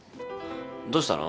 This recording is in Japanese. どうしたの？